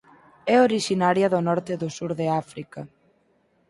É orixinaria do norte e do sur de África.